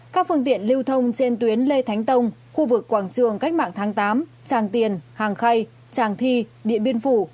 các phương tiện lưu thông trên tuyến lê thánh tông khu vực quảng trường cách mạng tháng tám tràng tiền hàng khay tràng thi điện biên phủ